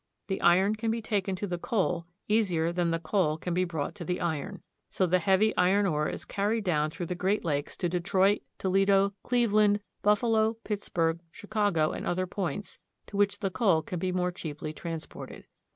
The iron can be taken to the coal easier than the coal can be brought to the iron. So the heavy iron ore is carried down through the Great Lakes to Detroit, IN AN IRON MINE. l8l Toledo, Cleveland, Buffalo, Pittsburg, Chicago, and other points, to which the coal can be more cheaply transported.